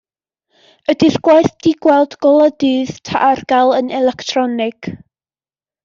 Ydi'r gwaith 'di gweld golau dydd, ta ar gael yn electronig?